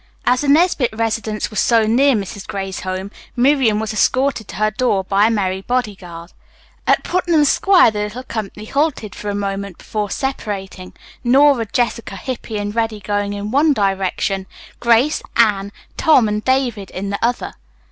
As the Nesbit residence was so near Mrs. Gray's home, Miriam was escorted to her door by a merry body guard. At Putnam Square the little company halted for a moment before separating, Nora, Jessica, Hippy and Reddy going in one direction, Grace, Anne, Tom and David in the other.